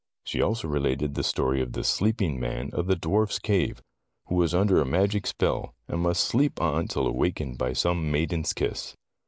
She also related the story of the sleeping man of the dwarf's cave, who was under a magic spell, and must sleep on till awakened by some maiden's kiss.